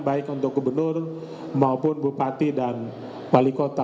baik untuk gubernur maupun bupati dan wali kota